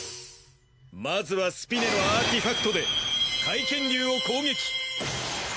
まずはスピネのアーティファクトで海剣竜を攻撃。